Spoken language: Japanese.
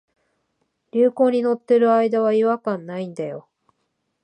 流行に乗ってる間は違和感ないんだよ